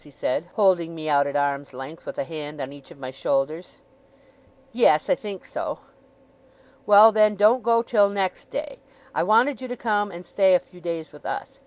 he said, holding me out at arm's length, with a hand on each of my shoulders. 'Yes, I think so.' 'Well, then, don't go till next day. I wanted you to come and stay a few days with us.